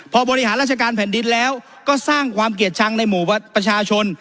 พอบริหารราชการแผ่นดินแล้วก็สร้างความเกลียดชังในหมู่ประชาชน